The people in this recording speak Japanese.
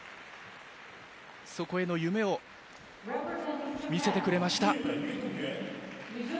そこへの夢を見せてくれました。